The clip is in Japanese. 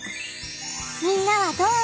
みんなはどう思う？